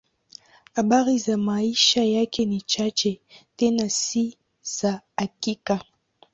Habari za maisha yake ni chache, tena si za hakika.